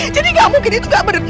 jadi gak mungkin itu gak bener